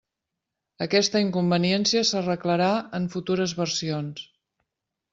Aquesta inconveniència s'arreglarà en futures versions.